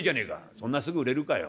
「そんなすぐ売れるかよ。